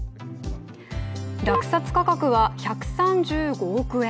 落札価格は１３５億円。